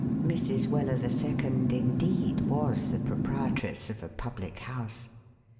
Mrs. Weller the second, indeed, was the proprietress of a public house.